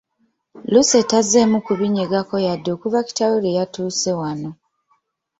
Lucky tazzeemu kubinyegako yadde okuva kitaawe lwe yatuuse wano.